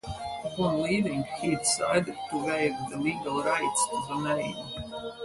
Upon leaving he decided to waive the legal rights to the name.